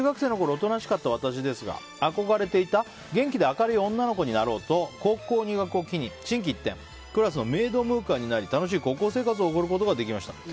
おとなしかった私ですが憧れていた元気で明るい女の子になろうと高校入学を機に心機一転クラスのムードメーカーになり楽しい高校生活を送ることができました。